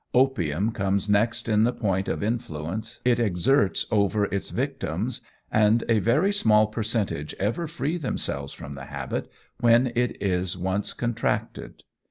Opium comes next in the point of influence it exerts over its victims, and a very small percentage ever free themselves from the habit when it is once contracted.